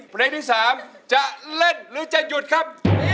เพลงที่๓จะเล่นหรือจะหยุดครับ